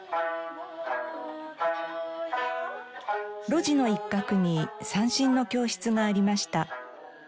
路地の一角に三線の教室がありました。